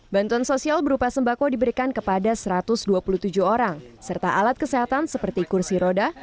bantuan sosial berupa sembako diberikan kepada satu ratus dua puluh tujuh orang serta alat kesehatan seperti kursi roda